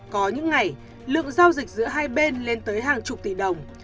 có những ngày lượng giao dịch giữa hai bên lên tới hàng chục tỷ đồng